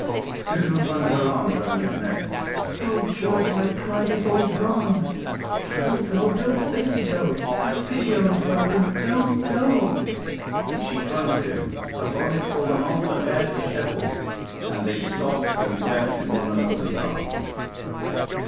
Susan flung her arms round his neck. "Oh! George, my pride is all gone; don't go, don't think to go; have pity on us both, and don't go." And she clung to him her bonnet fallen off, her hair disheveled and they sobbed and wept in one another's arms.